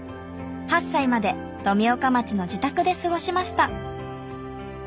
８歳まで富岡町の自宅で過ごしました。